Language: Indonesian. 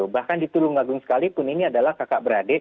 bahkan diturunkan sekalipun ini adalah kakak beradik